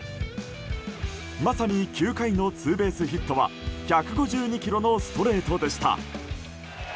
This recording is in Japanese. まさに９回のツーベースヒットは１５２キロのストレートでした。